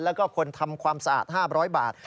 แล้วก็คนทำความสะอาด๕๐๐บาท